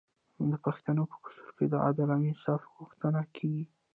د پښتنو په کلتور کې د عدل او انصاف غوښتنه کیږي.